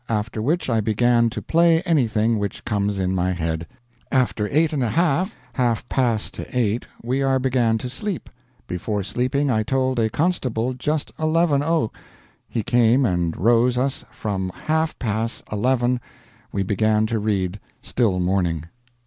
after which I began to play anything which comes in my head. After 8 1/2, half pass to eight we are began to sleep, before sleeping I told a constable just 11 o' he came and rose us from half pass eleven we began to read still morning."